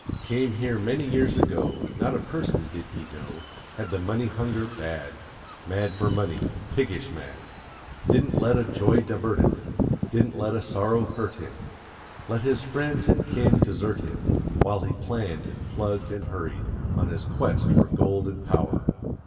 Came here many years ago, Not a person did he know; Had the money hunger bad Mad for money, piggish mad; Didn't let a joy divert him, Didn't let a sorrow hurt him, Let his friends and kin desert him, While he planned and plugged and hurried On his quest for gold and power.